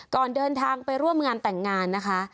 ก่อนเดินทางไปร่วมงานแต่งงานนะคะ